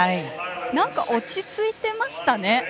なんか落ち着いてましたね。